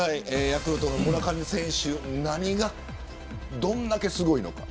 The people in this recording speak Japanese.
ヤクルトの村上選手何が、どんだけすごいのか。